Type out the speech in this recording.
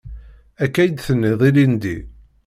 Akka i d-tenniḍ ilindi.